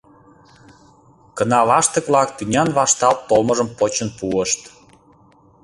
Кына лаштык-влак тӱнян вашталт толмыжым почын пуышт.